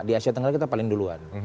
di asia tenggara kita paling duluan